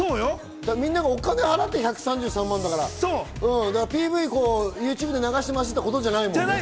みんながお金を払っての１３３万だから、ＰＶ、ＹｏｕＴｕｂｅで流すっていうことをじゃないんだからね。